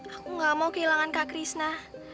aku gak mau kehilangan kak krishna